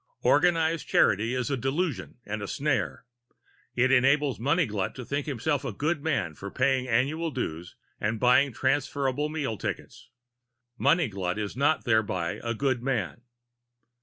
Organized charity is a delusion and a snare. It enables Munniglut to think himself a good man for paying annual dues and buying transferable meal tickets. Munniglut is not thereby, a good man.